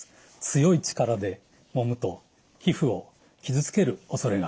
強い力でもむと皮膚を傷つけるおそれがあります。